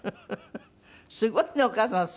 すごいねお母様。